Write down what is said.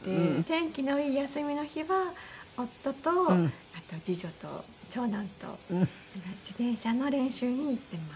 天気のいい休みの日は夫とあと次女と長男と自転車の練習に行ってます。